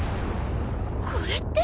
これって。